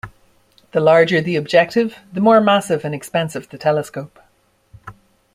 The larger the objective, the more massive and expensive the telescope.